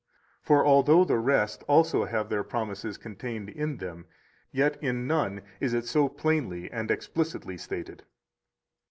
For although the rest also have their promises contained in them, yet in none is it so plainly and explicitly stated.